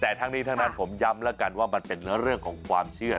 แต่ทั้งนี้ทั้งนั้นผมย้ำแล้วกันว่ามันเป็นเรื่องของความเชื่อ